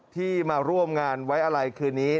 ที่มาร่วมงานไว้อะไรคืนนี้